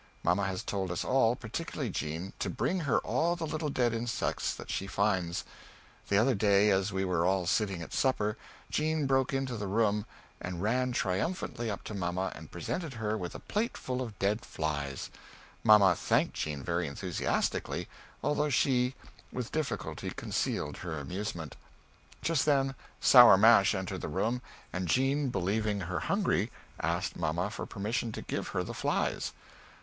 Mamma has told us all, perticularly Jean, to bring her all the little dead insects that she finds. The other day as we were all sitting at supper Jean broke into the room and ran triumfantly up to Mamma and presented her with a plate full of dead flies. Mamma thanked Jean vary enthusiastically although she with difficulty concealed her amusement. Just then Soar Mash entered the room and Jean believing her hungry asked Mamma for permission to give her the flies.